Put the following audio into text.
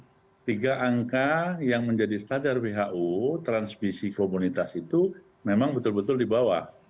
jadi tiga angka yang menjadi standar who transmisi komunitas itu memang betul betul di bawah